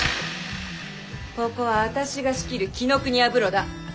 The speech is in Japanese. ここはあたしが仕切る紀伊国屋風呂だ。